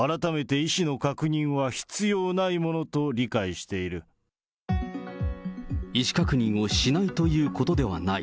意思確認をしないということではない。